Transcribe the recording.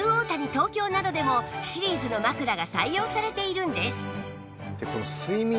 東京などでもシリーズの枕が採用されているんです